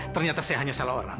ternyata saya hanya salah orang